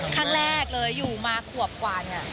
ครั้งแรกเลยอยู่มาขวบกว่าเนี่ย